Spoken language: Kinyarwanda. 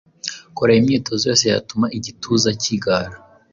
Kora imyitozo yose yatuma igituza kigara